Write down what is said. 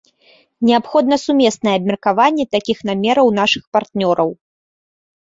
Неабходна сумеснае абмеркаванне такіх намеры нашых партнёраў.